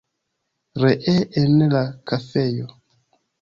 Ree en la kafejo.